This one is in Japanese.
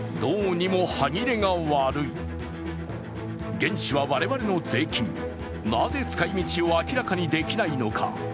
原資は我々の税金、なぜ使い道を明らかにできないのか。